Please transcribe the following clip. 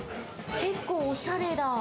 結構おしゃれだ。